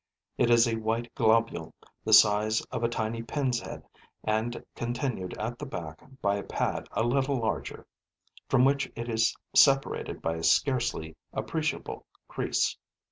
It is a white globule, the size of a tiny pin's head and continued at the back by a pad a little larger, from which it is separated by a scarcely appreciable crease.